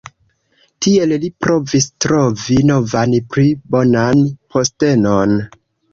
Tiel li provis trovi novan pli bonan postenon.